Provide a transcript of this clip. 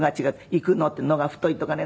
「行くの」って「“の”が太い」とかね